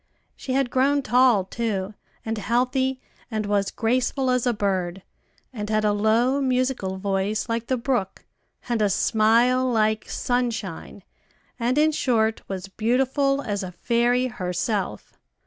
She had grown tall too, and healthy, and was graceful as a bird, and had a low, musical voice like the brook, and a smile like sunshine, and, in short, was beautiful as a fairy herself.